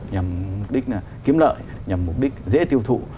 nhằm mục đích kiếm lợi nhằm mục đích dễ tiêu thụ